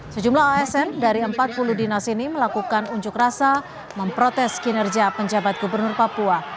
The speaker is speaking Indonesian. sejumlah asn dari empat puluh dinas ini melakukan unjuk rasa memprotes kinerja penjabat gubernur papua